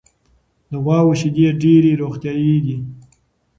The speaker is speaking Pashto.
د غواوو شیدې ډېرې روغتیایي دي.